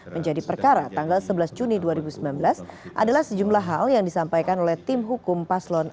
menjadi perkara tanggal sebelas juni dua ribu sembilan belas adalah sejumlah hal yang disampaikan oleh tim hukum paslon satu